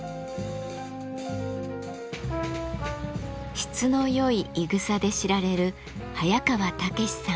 質のよいいぐさで知られる早川猛さん。